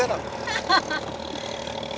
アハハハ！